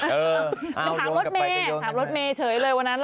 เออถามรถเมเฉยเลยวันนั้น